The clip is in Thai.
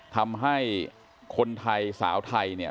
ทำให้คนไทยสาวไทย